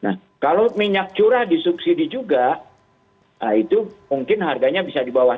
nah kalau minyak curah disubsidi juga itu mungkin harganya bisa di bawah